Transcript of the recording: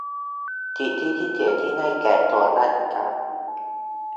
สิทธิพิเศษที่ให้แก่ส่วนราชการ